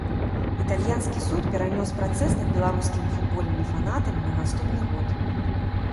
Італьянскі суд перанёс працэс над беларускімі футбольнымі фанатамі на наступны год.